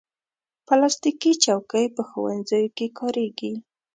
پلاستيکي چوکۍ په ښوونځیو کې کارېږي.